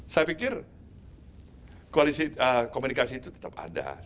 saya pikir komunikasi itu tetap ada